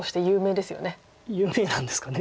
有名なんですかね。